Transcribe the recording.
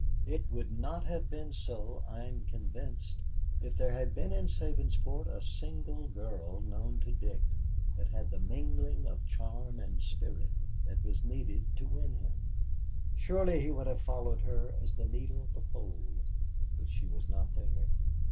It would not have been so, I am convinced, if there had been in Sabinsport a single girl known to Dick that had the mingling of charm and spirit that was needed to win him. Surely he would have followed her as the needle the pole; but she was not there.